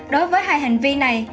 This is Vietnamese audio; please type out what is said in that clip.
đối với hai hành vi này